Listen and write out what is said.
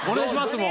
もう。